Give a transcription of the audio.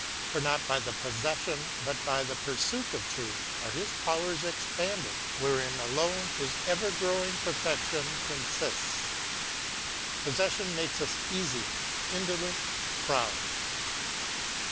For not by the possession but by the pursuit of truth are his powers expanded, wherein alone his ever growing perfection consists. Possession makes us easy, indolent, proud.